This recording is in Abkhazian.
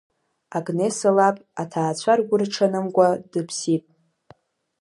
Агнеса лаб аҭаацәа ргәы рҽанымкуа дыԥсит.